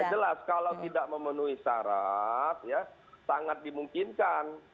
jelas kalau tidak memenuhi syarat sangat dimungkinkan